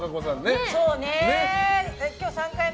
そうね。